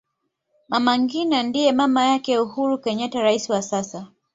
mama ngina ndiye mama yake uhuru kenyatta rais wa sasa